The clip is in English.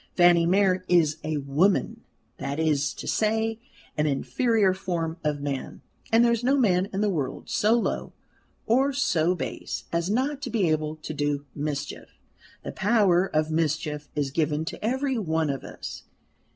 Fanny Mere is a woman that is to say, an inferior form of man; and there is no man in the world so low or so base as not to be able to do mischief. The power of mischief is given to every one of us.